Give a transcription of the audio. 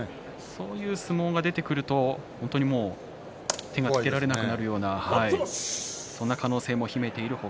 そういう相撲が出てくると手がつけられないようなそんな可能性もひめている北